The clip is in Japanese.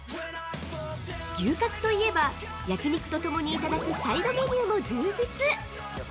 ◆牛角といえば焼き肉とともにいただくサイドメニューも充実。